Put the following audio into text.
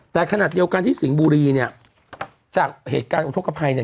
แต่ขณะเดียวกันที่สิงห์บุรีเนี่ยจากเหตุการณ์อุทธกภัยเนี่ย